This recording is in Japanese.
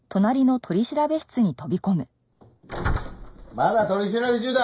まだ取り調べ中だ！